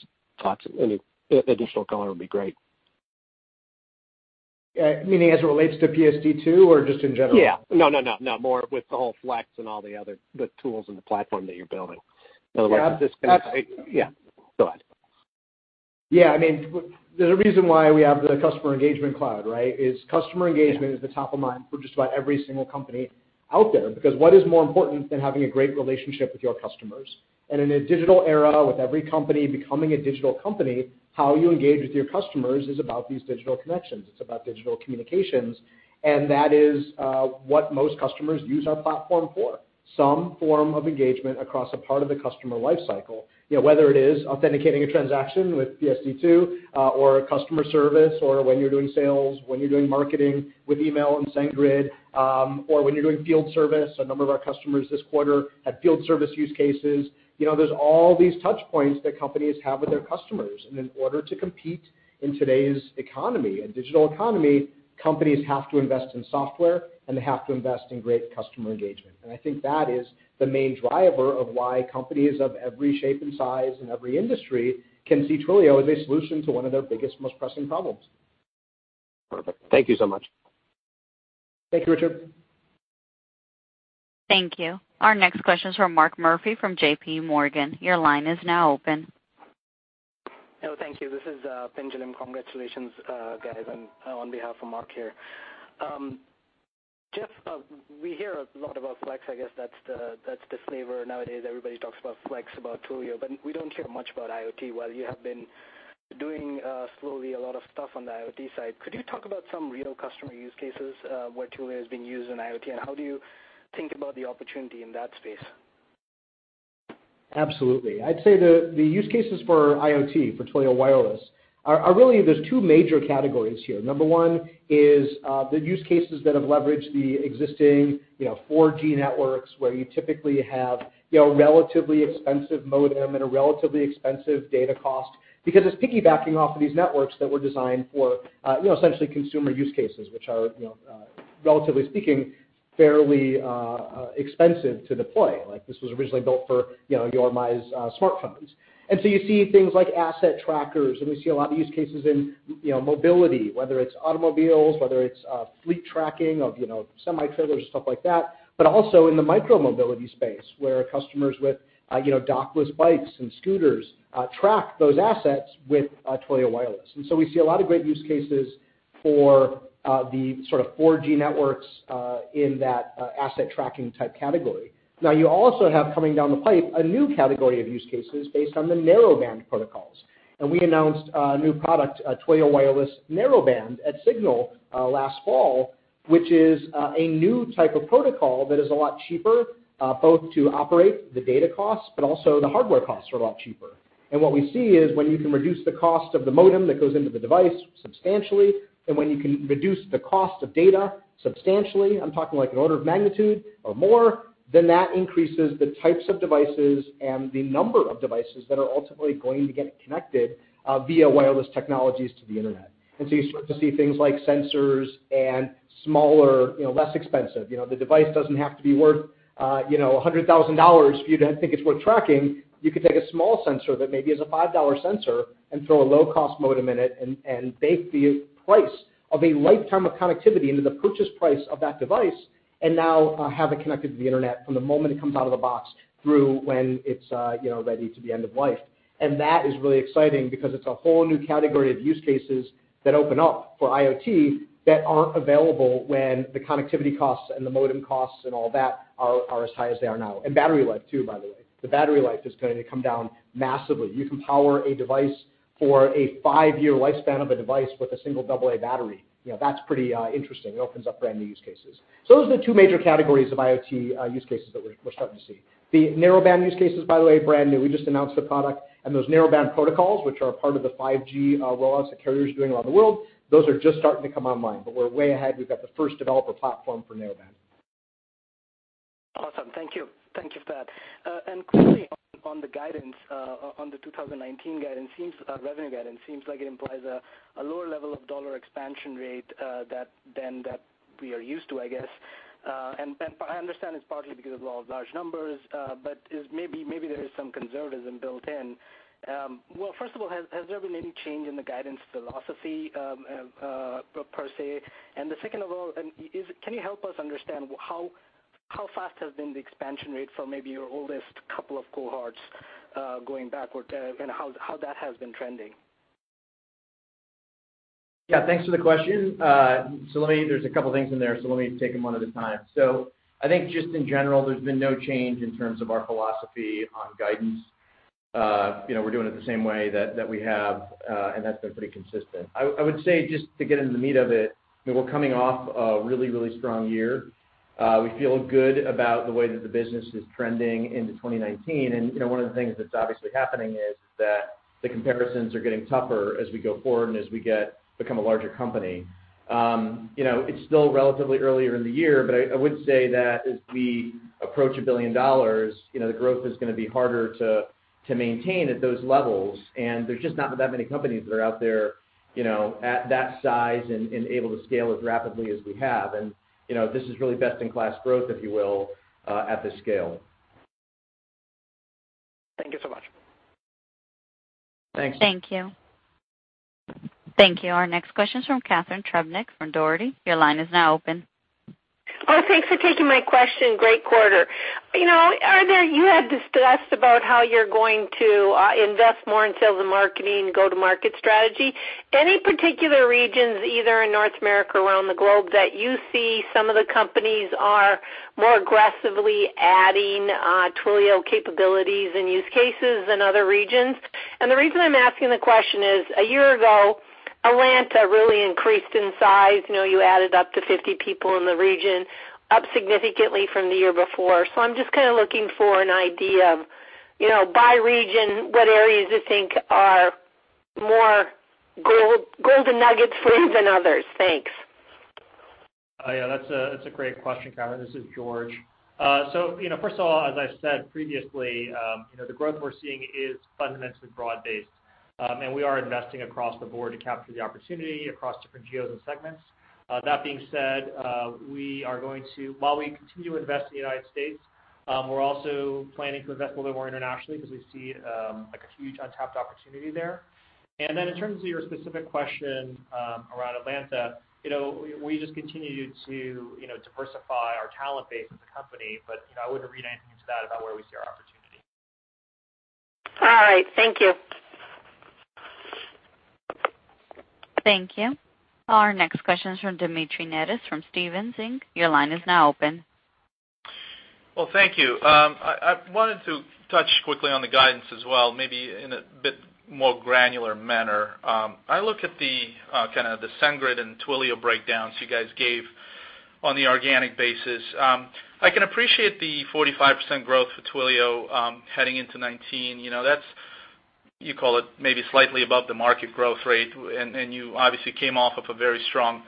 Any additional color would be great. Meaning as it relates to PSD2 or just in general? Yeah. No. More with the whole Flex and all the other tools in the platform that you're building. Yeah. Yeah, go ahead. Yeah, there's a reason why we have the Customer Engagement Cloud, right? Customer engagement is the top of mind for just about every single company out there, because what is more important than having a great relationship with your customers? In a digital era, with every company becoming a digital company, how you engage with your customers is about these digital connections. It's about digital communications, and that is what most customers use our platform for. Some form of engagement across a part of the customer life cycle. Whether it is authenticating a transaction with PSD2 or customer service or when you're doing sales, when you're doing marketing with email and SendGrid, or when you're doing field service. A number of our customers this quarter had field service use cases. There's all these touch points that companies have with their customers. In order to compete in today's economy, a digital economy, companies have to invest in software and they have to invest in great customer engagement. I think that is the main driver of why companies of every shape and size and every industry can see Twilio as a solution to one of their biggest, most pressing problems. Perfect. Thank you so much. Thank you, Richard. Thank you. Our next question is from Mark Murphy from JPMorgan. Your line is now open. Thank you. This is Pinjalim. Congratulations guys, and on behalf of Mark here. Jeff, we hear a lot about Flex. I guess that's the flavor nowadays. Everybody talks about Flex, about Twilio, but we don't hear much about IoT. While you have been doing slowly a lot of stuff on the IoT side, could you talk about some real customer use cases where Twilio has been used in IoT, and how do you think about the opportunity in that space? Absolutely. I'd say the use cases for IoT, for Twilio Wireless, are really there's two major categories here. Number one is the use cases that have leveraged the existing 4G networks, where you typically have a relatively expensive modem and a relatively expensive data cost because it's piggybacking off of these networks that were designed for essentially consumer use cases, which are, relatively speaking, fairly expensive to deploy. Like this was originally built for your and my smartphones. You see things like asset trackers, and we see a lot of use cases in mobility, whether it's automobiles, whether it's fleet tracking of semi-trailers and stuff like that, but also in the micro-mobility space where customers with dockless bikes and scooters track those assets with Twilio Wireless. We see a lot of great use cases for the sort of 4G networks in that asset tracking type category. You also have coming down the pipe a new category of use cases based on the Narrowband protocols. We announced a new product, Twilio Wireless Narrowband, at Signal last fall, which is a new type of protocol that is a lot cheaper, both to operate the data costs, but also the hardware costs are a lot cheaper. What we see is when you can reduce the cost of the modem that goes into the device substantially, and when you can reduce the cost of data substantially, I'm talking like an order of magnitude or more, then that increases the types of devices and the number of devices that are ultimately going to get connected via wireless technologies to the internet. You start to see things like sensors and smaller, less expensive. The device doesn't have to be worth $100,000 for you to think it's worth tracking. You could take a small sensor that maybe is a $5 sensor and throw a low-cost modem in it and bake the price of a lifetime of connectivity into the purchase price of that device and now have it connected to the internet from the moment it comes out of the box through when it's ready to the end of life. That is really exciting because it's a whole new category of use cases that open up for IoT that aren't available when the connectivity costs and the modem costs and all that are as high as they are now. Battery life too, by the way. The battery life is going to come down massively. You can power a device for a five-year lifespan of a device with a single AA battery. That's pretty interesting. It opens up brand new use cases. Those are the two major categories of IoT use cases that we're starting to see. The Narrowband use cases, by the way, brand new. We just announced the product and those Narrowband protocols, which are part of the 5G rollouts that carriers are doing around the world, those are just starting to come online. We're way ahead. We've got the first developer platform for Narrowband. Thank you for that. Quickly on the guidance, on the 2019 guidance, our revenue guidance, seems like it implies a lower level of dollar expansion rate than that we are used to, I guess. I understand it's partly because of the law of large numbers, but maybe there is some conservatism built in. First of all, has there been any change in the guidance philosophy per se? Second of all, can you help us understand how fast has been the expansion rate for maybe your oldest couple of cohorts, going backward, and how that has been trending? Yeah, thanks for the question. There's a couple things in there, so let me take them one at a time. I think just in general, there's been no change in terms of our philosophy on guidance. We're doing it the same way that we have, and that's been pretty consistent. I would say, just to get into the meat of it, we're coming off a really strong year. We feel good about the way that the business is trending into 2019, and one of the things that's obviously happening is that the comparisons are getting tougher as we go forward and as we become a larger company. It's still relatively earlier in the year, but I would say that as we approach $1 billion, the growth is going to be harder to maintain at those levels, and there's just not that many companies that are out there at that size and able to scale as rapidly as we have. This is really best-in-class growth, if you will, at this scale. Thank you so much. Thanks. Thank you. Thank you. Our next question is from Catharine Trebnick from Dougherty. Your line is now open. Oh, thanks for taking my question. Great quarter. You had discussed about how you're going to invest more in sales and marketing and go-to-market strategy. Any particular regions, either in North America or around the globe, that you see some of the companies are more aggressively adding Twilio capabilities and use cases than other regions? The reason I'm asking the question is, a year ago, Atlanta really increased in size. You added up to 50 people in the region, up significantly from the year before. I'm just kind of looking for an idea of, by region, what areas you think are more golden nuggets for you than others. Thanks. Yeah, that's a great question, Catharine. This is George. First of all, as I said previously, the growth we're seeing is fundamentally broad-based. We are investing across the board to capture the opportunity across different geos and segments. That being said, while we continue to invest in the U.S., we're also planning to invest a little bit more internationally because we see a huge untapped opportunity there. In terms of your specific question around Atlanta, we just continue to diversify our talent base as a company, but I wouldn't read anything into that about where we see our opportunity. All right. Thank you. Thank you. Our next question is from Dmitry Netis from Stephens Inc. Your line is now open. Well, thank you. I wanted to touch quickly on the guidance as well, maybe in a bit more granular manner. I look at the kind of the SendGrid and Twilio breakdowns you guys gave on the organic basis. I can appreciate the 45% growth for Twilio heading into 2019. That's, you call it maybe slightly above the market growth rate, and you obviously came off of a very strong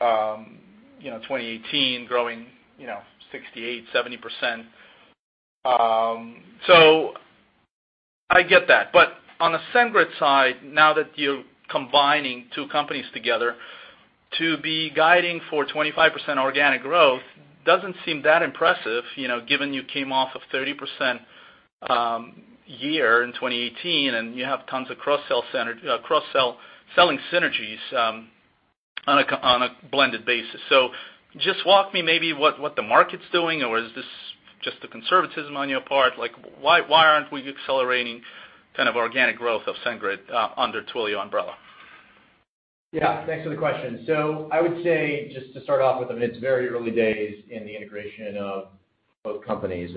2018, growing 68%, 70%. So I get that. On the SendGrid side, now that you're combining two companies together, to be guiding for 25% organic growth doesn't seem that impressive, given you came off of 30% year in 2018 and you have tons of cross-sell selling synergies on a blended basis. Just walk me maybe what the market's doing, or is this just the conservatism on your part? Why aren't we accelerating kind of organic growth of SendGrid under Twilio umbrella? Yeah, thanks for the question. I would say, just to start off with, I mean, it's very early days in the integration of both companies.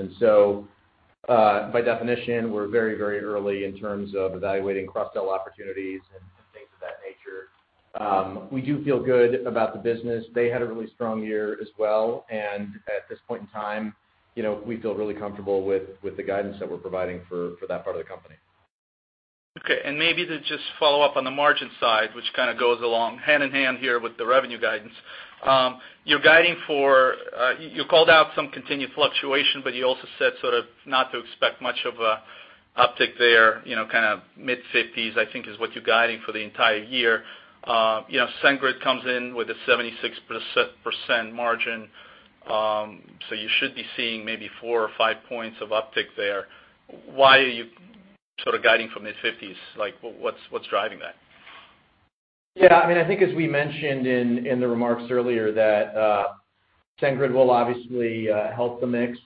By definition, we're very early in terms of evaluating cross-sell opportunities and things of that nature. We do feel good about the business. They had a really strong year as well, and at this point in time, we feel really comfortable with the guidance that we're providing for that part of the company. Okay, maybe to just follow up on the margin side, which kind of goes along hand in hand here with the revenue guidance. You called out some continued fluctuation, but you also said sort of not to expect much of an uptick there, kind of mid-50s, I think, is what you're guiding for the entire year. SendGrid comes in with a 76% margin, so you should be seeing maybe four or five points of uptick there. Why are you sort of guiding for mid-50s? What's driving that? I think as we mentioned in the remarks earlier that SendGrid will obviously help the mix,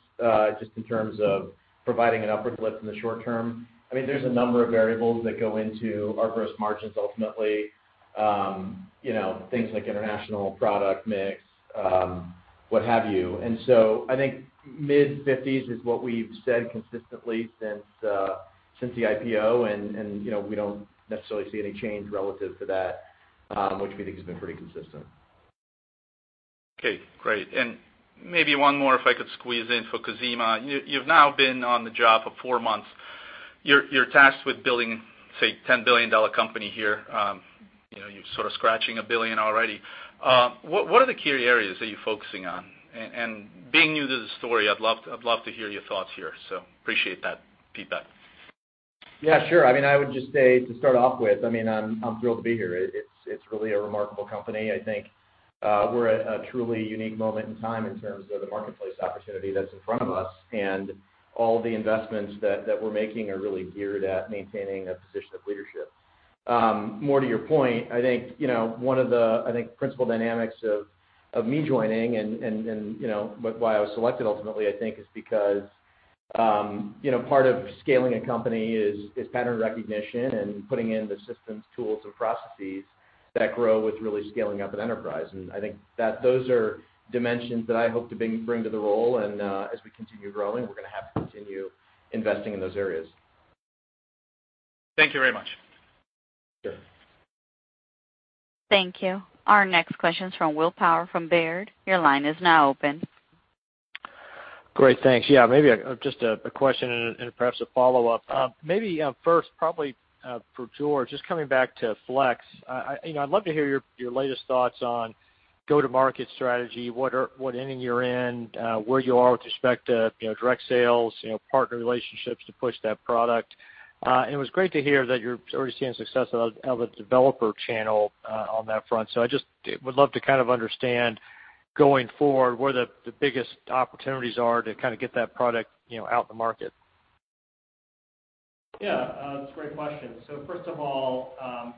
just in terms of providing an upward lift in the short term. There's a number of variables that go into our gross margins ultimately. Things like international product mix, what have you. And so I think mid-50s is what we've said consistently since the IPO, and we don't necessarily see any change relative to that, which we think has been pretty consistent. Okay, great. Maybe one more if I could squeeze in for Khozema. You've now been on the job for four months. You're tasked with building, say, a $10 billion company here. You're sort of scratching $1 billion already. What are the key areas that you're focusing on? Being new to the story, I'd love to hear your thoughts here, so appreciate that feedback. Sure. I would just say to start off with, I'm thrilled to be here. It's really a remarkable company. I think we're at a truly unique moment in time in terms of the marketplace opportunity that's in front of us, and all the investments that we're making are really geared at maintaining a position of leadership. More to your point, I think, one of the principal dynamics of me joining and why I was selected ultimately, I think, is because part of scaling a company is pattern recognition and putting in the systems, tools, and processes that grow with really scaling up an enterprise. I think that those are dimensions that I hope to bring to the role, and as we continue growing, we're going to have to continue investing in those areas. Thank you very much. Sure. Thank you. Our next question's from William Power from Baird. Your line is now open. Great. Thanks. Yeah, maybe just a question and perhaps a follow-up. Maybe first, probably for George, just coming back to Flex. I'd love to hear your latest thoughts on go-to-market strategy, what inning you're in, where you are with respect to direct sales, partner relationships to push that product. It was great to hear that you're already seeing success out of the developer channel on that front. I just would love to kind of understand going forward, where the biggest opportunities are to kind of get that product out in the market. Yeah, that's a great question. First of all, I'm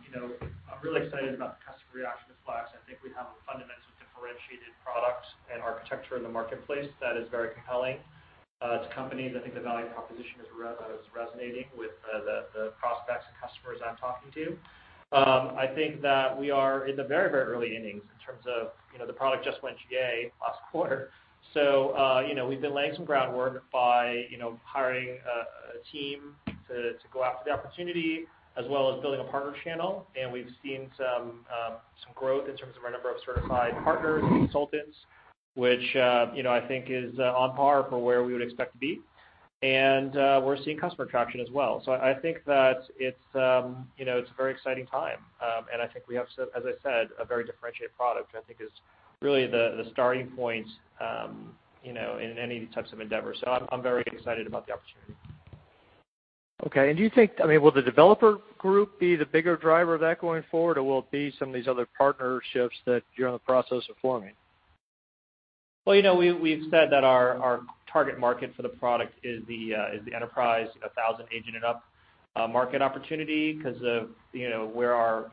really excited about the customer reaction to Flex. I think we have a fundamentally differentiated product and architecture in the marketplace that is very compelling to companies. I think the value proposition is resonating with the prospects and customers I'm talking to. I think that we are in the very, very early innings in terms of the product just went GA last quarter. We've been laying some groundwork by hiring a team to go after the opportunity, as well as building a partner channel. We've seen some growth in terms of our number of certified partners and consultants, which I think is on par for where we would expect to be. We're seeing customer traction as well. I think that it's a very exciting time. I think we have, as I said, a very differentiated product, which I think is really the starting point in any types of endeavors. I'm very excited about the opportunity. Okay, do you think, will the developer group be the bigger driver of that going forward, or will it be some of these other partnerships that you're in the process of forming? Well, we've said that our target market for the product is the enterprise 1,000 agent and up market opportunity because of where our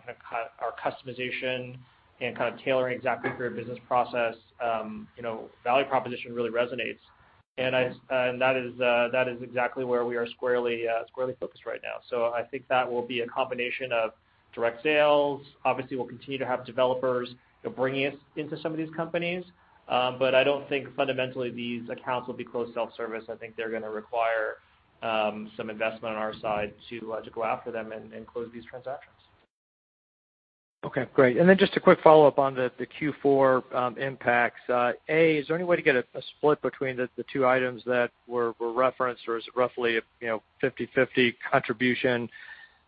customization and kind of tailoring exactly for your business process value proposition really resonates. That is exactly where we are squarely focused right now. I think that will be a combination of direct sales. Obviously, we'll continue to have developers bringing us into some of these companies. But I don't think fundamentally these accounts will be closed self-service. I think they're going to require some investment on our side to go after them and close these transactions. Okay, great. Then just a quick follow-up on the Q4 impacts. A, is there any way to get a split between the two items that were referenced, or is it roughly a 50/50 contribution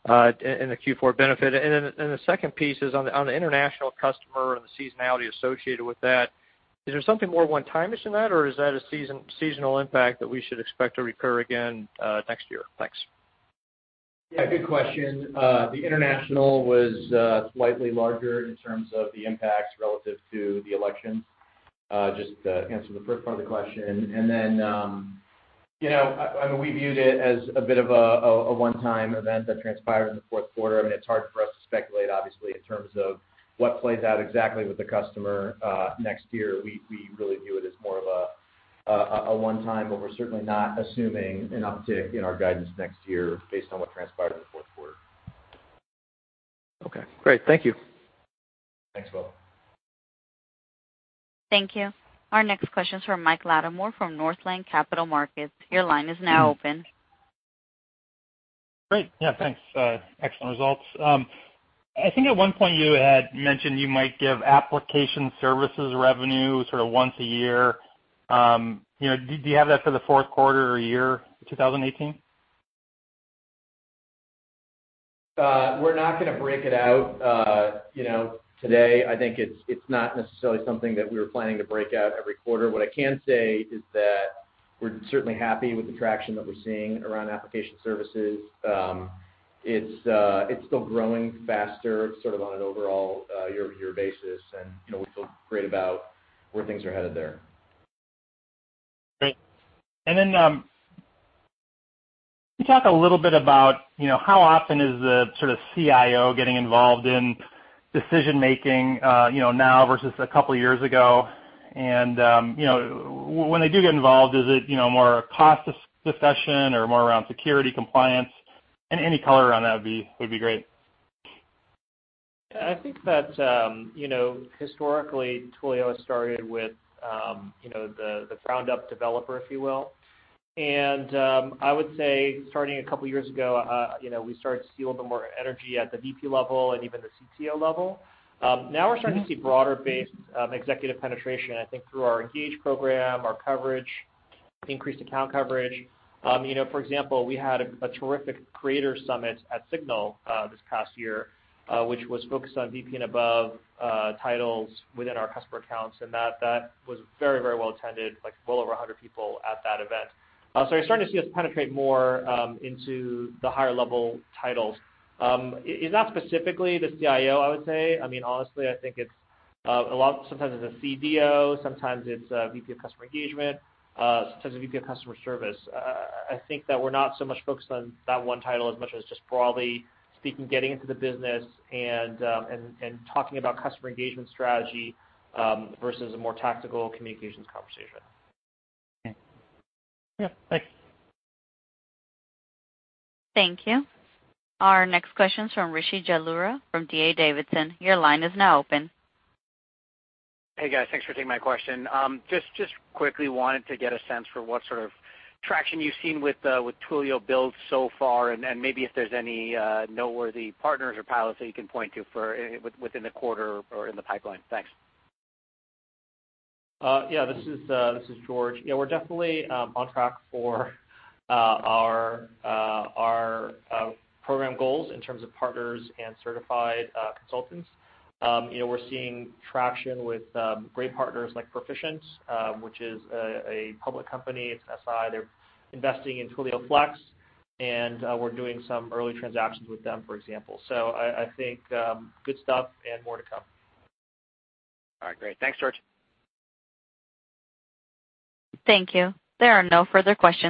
in the Q4 benefit? Then the second piece is on the international customer and the seasonality associated with that, is there something more one-timeness in that, or is that a seasonal impact that we should expect to recur again next year? Thanks. Yeah, good question. The international was slightly larger in terms of the impacts relative to the elections. Just to answer the first part of the question. We viewed it as a bit of a one-time event that transpired in the Q4. It's hard for us to speculate, obviously, in terms of what plays out exactly with the customer next year. We really view it as more of a one-time, but we're certainly not assuming an uptick in our guidance next year based on what transpired in the Q4. Okay, great. Thank you. Thanks, William. Thank you. Our next question's from Michael Latimore from Northland Capital Markets. Your line is now open. Great. Yeah, thanks. Excellent results. I think at one point you had mentioned you might give application services revenue sort of once a year. Do you have that for the Q4 or year 2018? We're not going to break it out today. I think it's not necessarily something that we were planning to break out every quarter. What I can say is that we're certainly happy with the traction that we're seeing around application services. It's still growing faster, sort of on an overall year-over-year basis, and we feel great about where things are headed there. Great. Can you talk a little bit about how often is the sort of CIO getting involved in decision-making now versus a couple of years ago? When they do get involved, is it more cost accession or more around security compliance? Any color around that would be great. I think that historically, Twilio started with the ground-up developer, if you will. I would say starting a couple of years ago, we started to see a little more energy at the VP level and even the CTO level. Now we're starting to see broader-based executive penetration, I think, through our Engage program, our coverage, increased account coverage. For example, we had a terrific creator summit at Signal this past year, which was focused on VP and above titles within our customer accounts, and that was very well attended, like well over 100 people at that event. You're starting to see us penetrate more into the higher-level titles. It's not specifically the CIO, I would say. Honestly, I think sometimes it's a CDO, sometimes it's a VP of customer engagement, sometimes a VP of customer service. I think that we're not so much focused on that one title as much as just broadly speaking, getting into the business and talking about customer engagement strategy versus a more tactical communications conversation. Okay. Yeah, thanks. Thank you. Our next question's from Rishi Jaluria from D.A. Davidson. Your line is now open. Hey, guys, thanks for taking my question. Just quickly wanted to get a sense for what sort of traction you've seen with Twilio Build so far, and maybe if there's any noteworthy partners or pilots that you can point to within the quarter or in the pipeline. Thanks. This is George. We're definitely on track for our program goals in terms of partners and certified consultants. We're seeing traction with great partners like Perficient, which is a public company. It's SI. They're investing in Twilio Flex, and we're doing some early transactions with them, for example. So I think good stuff and more to come. All right, great. Thanks, George. Thank you. There are no further questions.